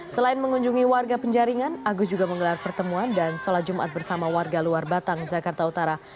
selain mengunjungi warga penjaringan agus juga menggelar pertemuan dan sholat jumat bersama warga luar batang jakarta utara